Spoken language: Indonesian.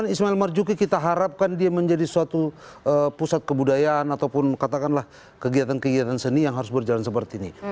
ismail marzuki kita harapkan dia menjadi suatu pusat kebudayaan ataupun katakanlah kegiatan kegiatan seni yang harus berjalan seperti ini